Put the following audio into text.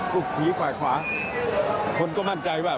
ลูกผีฝ่ายขวาคนก็มั่นใจว่า